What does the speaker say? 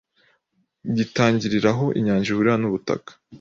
gitangirira aho inyanja ihurira nubutaka